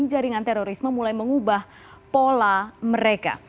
jaringan terorisme mulai mengubah pola mereka